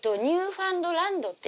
ニューファンドランド。